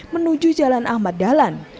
menuju jalan ahmad dahlan